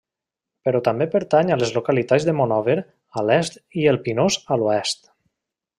Però també pertany a les localitats de Monòver a l'est i El Pinós a l'oest.